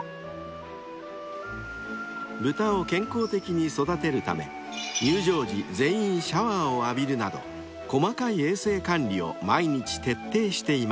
［豚を健康的に育てるため入場時全員シャワーを浴びるなど細かい衛生管理を毎日徹底しています］